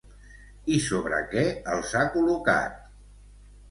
I sobre què els ha col·locat?